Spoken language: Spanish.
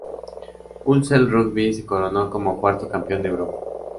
Ulster Rugby se coronó como cuarto Campeón de Europa.